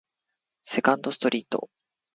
セカンドストリート